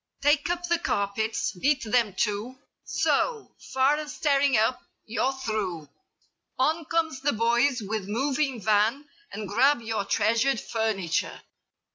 Take up the carpets; beat them too— So, far as tearing up, you're through. On comes the boys with moving van And grab your treasured furniture.